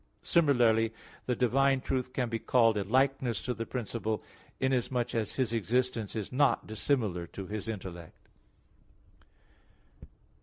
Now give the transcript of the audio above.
Similarly, the divine truth can be called a "likeness to the principle," inasmuch as His existence is not dissimilar to His intellect.